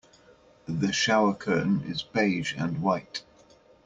The shower curtain is beige and white.